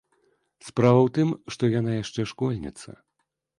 Справа ў тым, што яна яшчэ школьніца.